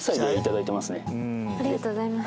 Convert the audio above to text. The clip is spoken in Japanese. ありがとうございます。